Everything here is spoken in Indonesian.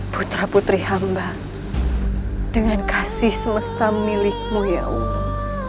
putra putri hamba dengan kasih semesta milikmu ya allah